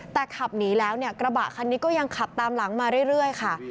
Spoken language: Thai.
แต่ขับหนีแล้วเนี่ยกระบะคันนี้ก็ยังขับตามหลังมาเรื่อยค่ะ